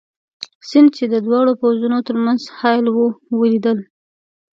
سیند، چې د دواړو پوځونو تر منځ حایل وو، ولید.